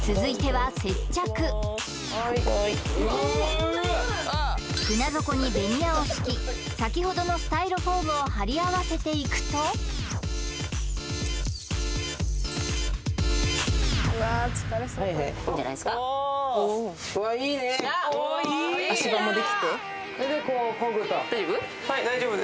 はーい船底にベニヤを敷き先ほどのスタイロフォームを貼り合わせていくといいんじゃないっすかよっしゃー大丈夫？